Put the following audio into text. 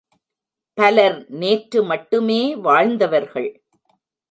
பலர் நேற்று மட்டுமே வாழ்ந்தவர்கள்.